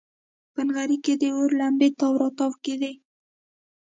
په نغري کې د اور لمبې تاو راتاو کېدې.